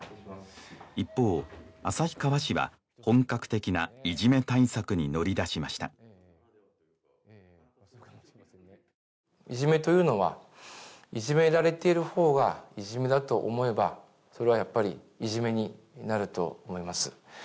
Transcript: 一方旭川市は本格的ないじめ対策に乗り出しましたいじめというのはいじめられている方がいじめだと思えばそれはやっぱりいじめになると思います